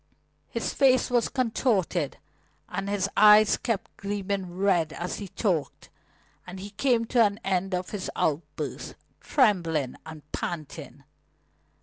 His face was contorted, and his eyes kept gleaming red as he talked, and he came to the end of his outburst, trembling and panting.